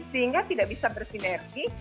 sehingga tidak bisa bersinergi